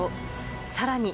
さらに。